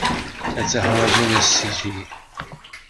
It's a homogeneous city.